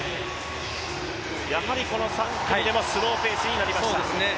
やはりこの３組目もスローペースになりました。